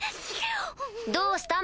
どうした？